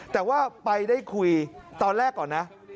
แต่ว่าไปได้คุยตอนแรกก่อนนะ